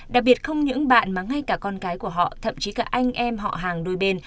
đặc biệt không những bạn mà ngay cả con cái của họ thậm chí cả anh em họ hàng đôi bên